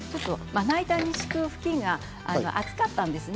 まな板に敷く布巾が厚かったですね。